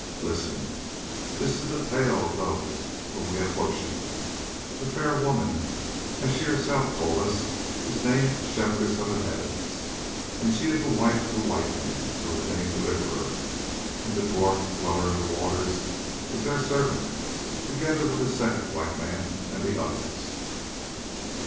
Listen, this is the tale of those whom we have worshipped: the fair woman, as she herself told us, is named Shepherdess of the Heavens, and she is the wife of the white man who is named Deliverer, and the dwarf Dweller in the Waters is their servant, together with the second white man and the others.